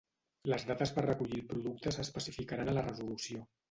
Les dates per recollir el producte s'especificaran a la resolució.